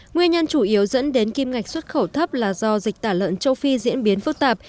nguyên nhân chủ yếu dẫn đến kim ngạch xuất khẩu thấp là do dịch tả lợn châu phi diễn biến phức tạp